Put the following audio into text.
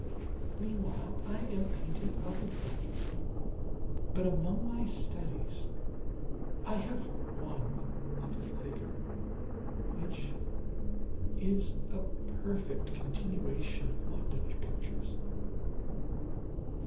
Meanwhile I am painting other things. But among my studies I have one of a figure which is a perfect continuation of my Dutch pictures.